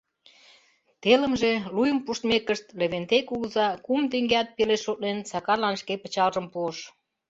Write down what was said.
Телымже, луйым пуштмекышт, Левентей кугыза, кум теҥгеат пелеш шотлен, Сакарлан шке пычалжым пуыш.